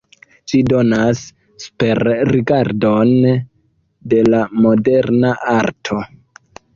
Ĝi donas superrigardon de la moderna arto.